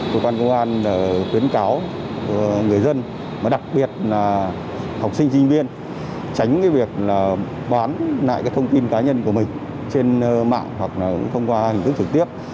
cơ quan công an khuyến cáo người dân đặc biệt là học sinh sinh viên tránh việc bán lại cái thông tin cá nhân của mình trên mạng hoặc là thông qua hình thức trực tiếp